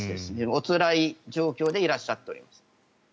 おつらい状況でいらっしゃっております。